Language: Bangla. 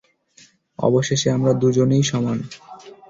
অবশেষে আমরা দুজনেই সমান।